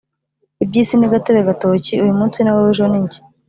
Ibyisi ni gatebe gatoki uyumumnsi niwowe ejo ninjye